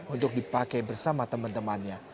untuk dipakai bersama teman temannya